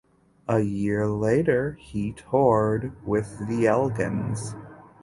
A year later, he toured with the Elgins.